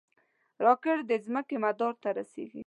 راکټ د ځمکې مدار ته رسېږي